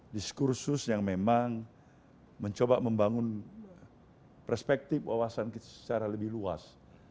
diskursus yang memang mencoba membangun perspektif wawasan secara lebih luas